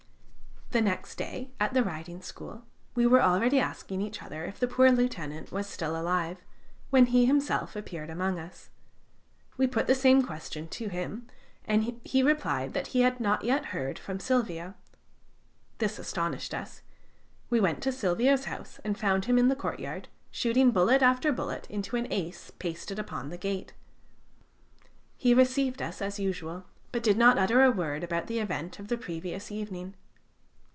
The next day, at the riding school, we were already asking each other if the poor lieutenant was still alive, when he himself appeared among us. We put the same question to him, and he replied that he had not yet heard from Silvio. This astonished us. We went to Silvio's house and found him in the courtyard shooting bullet after bullet into an ace pasted upon the gate. He received us as usual, but did not utter a word about the event of the previous evening.